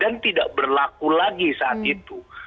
tidak berlaku lagi saat itu